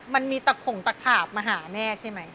มันมีตะขงตะขาบมาหาแม่ใช่ไหม